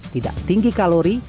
tidak tinggi kalori